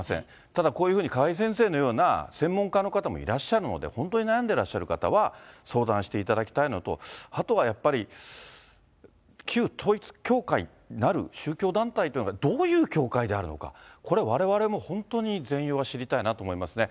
ただ、こういうふうに川井先生のような専門家の方もいらっしゃるので、本当に悩んでらっしゃる方は、相談していただきたいのと、あとはやっぱり、旧統一教会なる宗教団体というのがどういう教会であるのか、これはわれわれも本当に全容は知りたいなと思いますね。